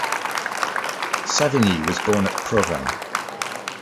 Savigny was born at Provins.